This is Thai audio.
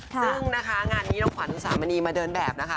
ซึ่งนะคะงานนี้น้องขวัญอุสามณีมาเดินแบบนะคะ